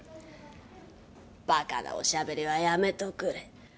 ばかなおしゃべりはやめとくれ。